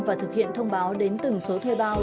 và thực hiện thông báo đến từng số thuê bao